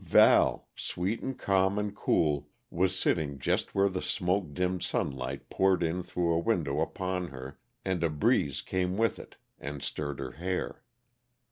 Val, sweet and calm and cool, was sitting just where the smoke dimmed sunlight poured in through a window upon her, and a breeze came with it and stirred her hair.